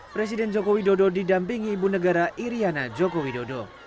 presiden jokowi dodo didampingi ibu negara iryana jokowi dodo